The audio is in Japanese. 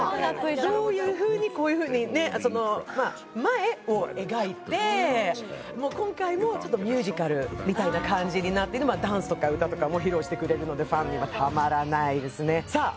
どういうふうにこういうふうにねっその前を描いてもう今回もちょっとミュージカルみたいな感じになってダンスとか歌とかも披露してくれるのでファンにはたまらないですねさあ